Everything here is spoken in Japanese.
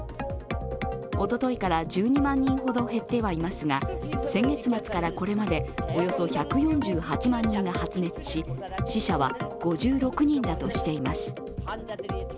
おとといから１２万人ほど減ってはいますが、先月末からこれまでおよそ１４８万人が発熱し、死者は５６人だとしています。